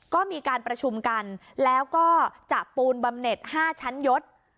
ก็มีการประชุมกันแล้วก็จะปูนบำเน็ต๕ชั้นยศ